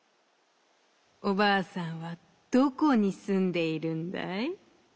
おばあさんはどこにすんでいるんだい？」。